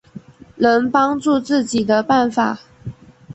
能帮助自己的办法